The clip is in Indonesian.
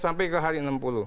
sampai ke hari enam puluh